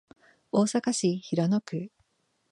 大阪市平野区